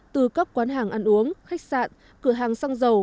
từ các quán hàng ăn uống khách sạn cửa hàng xăng dầu